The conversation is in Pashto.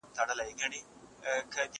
زه به اوږده موده سپينکۍ مينځلي وم!!